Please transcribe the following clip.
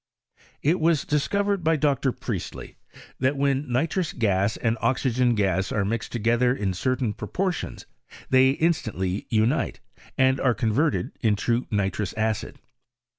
It was discovered by Dr. Priestley, that when ni trous gas and oxygen gas are mixed together in cer tain proportions, they instantly unite, and are con verted into nitrous acid.